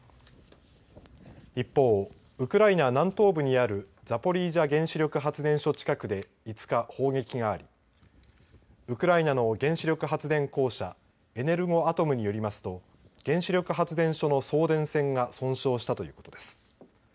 一方ウクライナ南東部にあるザポリージャ原子力発電所近くで５日砲撃がありウクライナの原子力発電公社エネルゴアトムによりますと原子力発電所の送電線が損傷したということです。